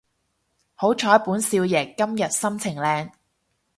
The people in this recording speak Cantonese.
好彩本少爺今日心情靚